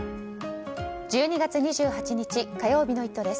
１２月２８日、火曜日の「イット！」です。